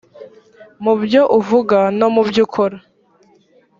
mu byo uvuga no mu byo ukora